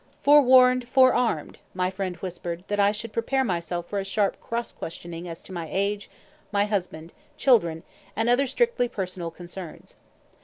"Forewarned, forearmed!" my friend whispered that I should prepare myself for a sharp cross questioning as to my age, my husband, children, and other strictly personal concerns.